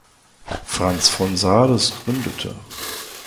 Franz von Sales gründete.